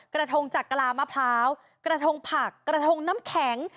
กระทงจากกะลามะพร้าวกระทงผักกระทงน้ำแข็ง